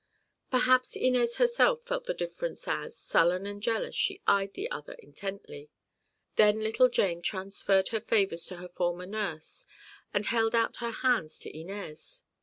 Perhaps Inez herself felt this difference as, sullen and jealous, she eyed the other intently. Then little Jane transferred her favors to her former nurse and held out her hands to Inez.